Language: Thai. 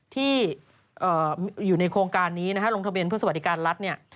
ที่อยู่ในโครงการนี้นะฮะลงทะเบียนเพื่อสวัสดิการรัฐเนี่ย